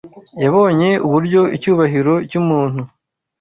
Yabonye uburyo icyubahiro cy’umuntu